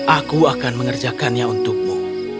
aku akan mengerjakannya untukmu